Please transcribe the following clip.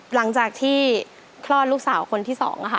หลังจากที่คลอดลูกสาวคนที่๒ค่ะ